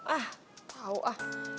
ah tau ah